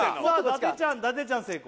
伊達ちゃん伊達ちゃん成功